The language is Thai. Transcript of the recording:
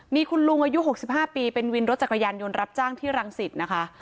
มีคุณลุงอายุ๖๕ปีเป็นวินรถจักรยานยนต์รับจ้างที่รังสิตนะคะ